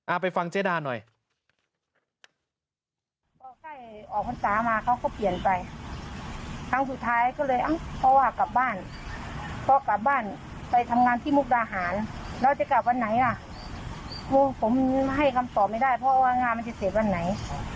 อ้าวไปฟังเจ๊ด้าหน่อย